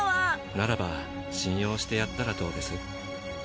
ならば信用してやったらどうです？